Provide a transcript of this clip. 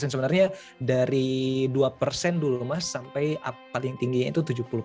sebenarnya dari dua persen dulu mas sampai paling tingginya itu tujuh puluh empat